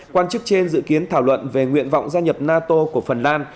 quan chức trên dự kiến thảo luận về nguyện vọng gia nhập nato của phần lan